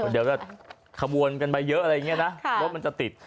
เดี๋ยวก็ขบวนกันไปเยอะอะไรอย่างนี้นะรถมันจะติด